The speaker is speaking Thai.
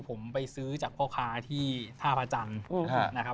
ผมไปซื้อจากพ่อค้าที่ท่าพระจันทร์นะครับ